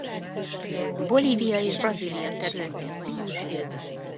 Bolívia és Brazília területén honos.